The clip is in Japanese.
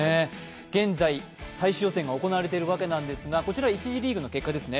現在、最終予選が行われているわけなんですが、こちら一次リーグの結果ですね。